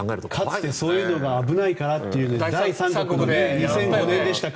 かつてそういうのが怖いからって第三国で２００５年でしたか。